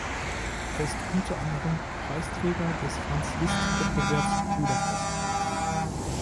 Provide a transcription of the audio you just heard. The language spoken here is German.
Er ist unter anderem Preisträger des Franz-Liszt-Wettbewerbs Budapest.